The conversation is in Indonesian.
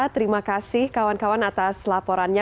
terima kasih kawan kawan atas laporannya